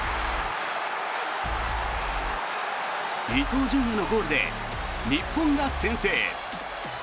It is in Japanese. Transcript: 伊東純也のゴールで日本が先制。